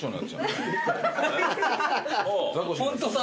ホントだ。